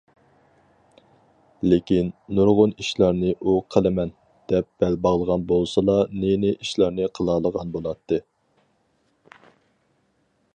لېكىن، نۇرغۇن ئىشلارنى ئۇ قىلىمەن، دەپ بەل باغلىغان بولسىلا، نى- نى ئىشلارنى قىلالىغان بولاتتى.